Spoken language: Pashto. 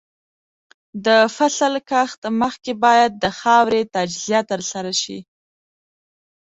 د فصل کښت مخکې باید د خاورې تجزیه ترسره شي.